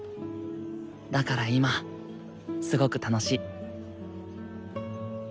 だから今すごく楽しい。